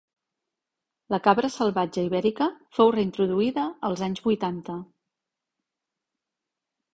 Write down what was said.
La cabra salvatge ibèrica fou reintroduïda als anys vuitanta.